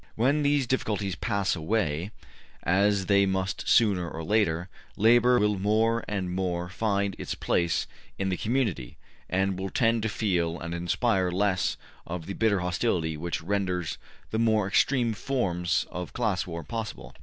When these difficulties pass away, as they must sooner or later, labor will more and more find its place in the community, and will tend to feel and inspire less of the bitter hostility which renders the more extreme forms of class war possible.